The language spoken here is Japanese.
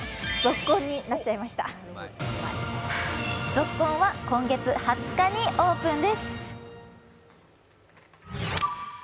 ＺＯＫＫＯＮは今月２０日にオープンです。